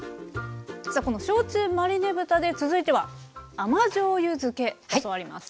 さあこの焼酎マリネ豚で続いては甘じょうゆ漬け教わります。